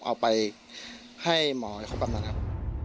เอาไปให้หมอเขาปรับมาครับ